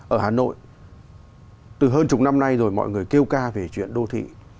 ở hà nội từ hơn chục năm nay rồi mọi người kêu ca về chuyện đô thị